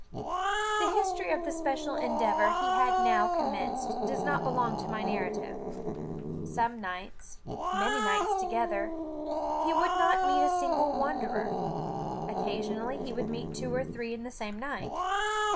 The history of the special endeavour he had now commenced does not belong to my narrative. Some nights, many nights together, he would not meet a single wanderer; occasionally he would meet two or three in the same night.